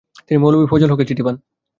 তিনি মৌলভি ফযল হকের চিঠি পান।